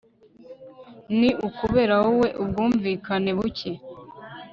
Ni ukubera wowe ubwumvikane buke